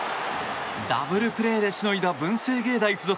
ダブルプレーでしのいだ文星芸大附属。